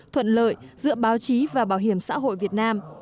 thuận lợi giữa báo chí và bảo hiểm xã hội việt nam